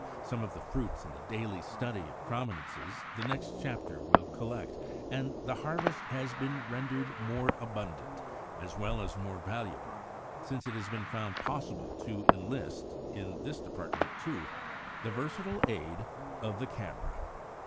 Some of its fruits in the daily study of prominences the next chapter will collect; and the harvest has been rendered more abundant, as well as more valuable, since it has been found possible to enlist, in this department too, the versatile aid of the camera.